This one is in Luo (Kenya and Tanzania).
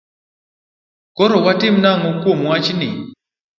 Koro watim nang'o kuom wachni?